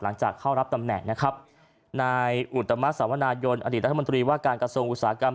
หลังจากเข้ารับตำแหน่งนะครับนายอุตมะสาวนายนอดีตรัฐมนตรีว่าการกระทรวงอุตสาหกรรม